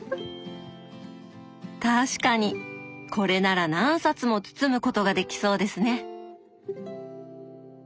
確かにこれなら何冊も包むことができそうですね。